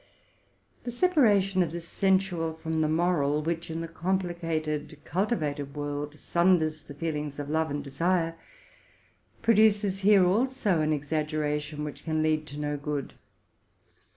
The separation of the sensual from the moral, which, in the complicated, cultivated world sunders the feelings of love and desire, pro duces here also an exaggeration w hich can lead to no good.